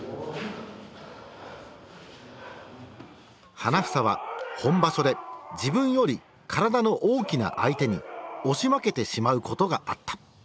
花房は本場所で自分より体の大きな相手に押し負けてしまうことがあった。